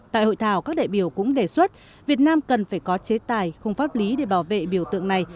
tại hội thảo các đại biểu cũng đề xuất việt nam cần phải có chế tài không pháp lý để bảo vệ biểu tượng này